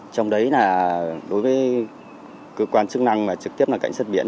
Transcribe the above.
trong đấy là đối với cơ quan chức năng trực tiếp cảnh sát biển